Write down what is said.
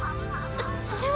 それは。